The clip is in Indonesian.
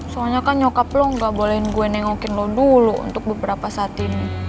soalnya kan nyokap lo gak bolehin gue nengokin lo dulu untuk beberapa saat ini